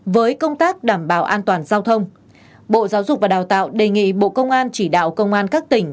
với công tác đảm bảo an toàn giao thông bộ giáo dục và đào tạo đề nghị bộ công an chỉ đạo công an các tỉnh